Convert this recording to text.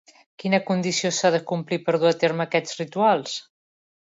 Quina condició s'ha de complir per dur a terme aquests rituals?